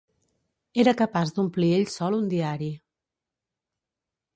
Era capaç d'omplir ell sol un diari.